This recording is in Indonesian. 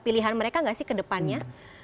pilihan mereka nggak sih ke depannya